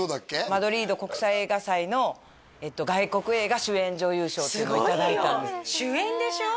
マドリード国際映画祭の外国映画主演女優賞というのを頂いたんですすごいよ主演でしょ？